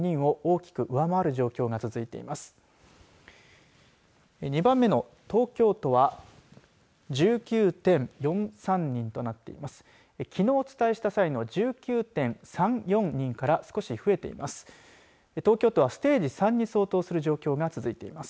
きのう、お伝えした際の１９．３４人から少し増えています。